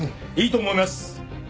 いいと思います！